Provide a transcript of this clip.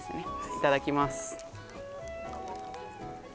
いただきます